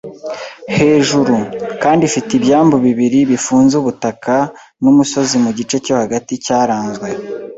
hejuru, kandi ifite ibyambu bibiri bifunze ubutaka, n'umusozi mugice cyo hagati cyaranzwe